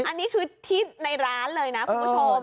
อันนี้คือที่ในร้านเลยนะคุณผู้ชม